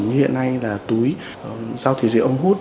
như hiện nay là túi rau thị dị ống hút